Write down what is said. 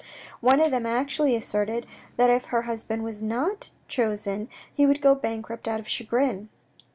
One of them actually asserted that if her husband was not chosen he would go bankrupt out of chagrin.